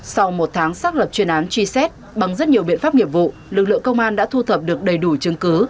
sau một tháng xác lập chuyên án truy xét bằng rất nhiều biện pháp nghiệp vụ lực lượng công an đã thu thập được đầy đủ chứng cứ